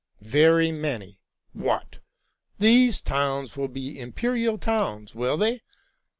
d '* Very many. What! These towns will be imperial towns, will they?